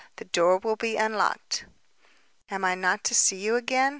The door will be unlocked." "Am I not to see you again?"